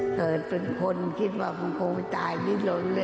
เกิดเป็นคนคิดว่าผมคงไปตายนี่ลงเรื่อยไป